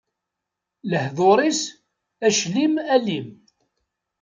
Lehdur-is, aclim alim.